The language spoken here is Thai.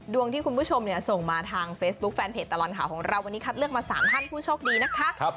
คุณผู้ชมที่คุณผู้ชมส่งมาทางเฟซบุ๊คแฟนเพจตลอดข่าวของเราวันนี้คัดเลือกมา๓ท่านผู้โชคดีนะคะ